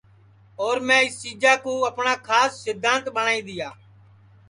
اور میں اِس چیجا کُو اپٹؔا کھاس سدھانت ٻٹؔائی دؔیا